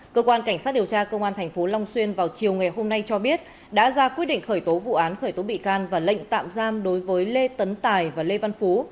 cơ quan cảnh sát điều tra công an tp long xuyên vào chiều ngày hôm nay cho biết đã ra quyết định khởi tố vụ án khởi tố bị can và lệnh tạm giam đối với lê tấn tài và lê văn phú